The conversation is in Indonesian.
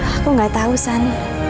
aku gak tahu sen